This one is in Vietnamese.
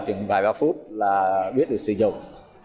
một vài ba phút là biết được sử dụng